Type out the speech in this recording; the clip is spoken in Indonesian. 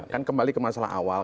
kan kembali ke masalah awal